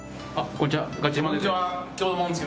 こんにちは